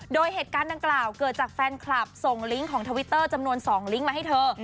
โดยเหตุการณ์ดังกล่าวเกิดจากแฟนคลับส่งลิงก์ของทวิตเตอร์จำนวน๒ลิงก์มาให้เธอ